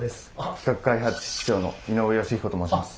企画開発室長の井上慶彦と申します。